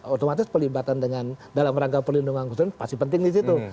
otomatis dalam rangka perlindungan konsumen pasti penting di situ